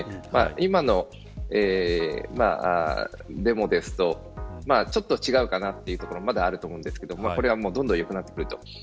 今のデモですとちょっと違うかなというところもまだあると思うんですがこれはどんどん良くなってくると。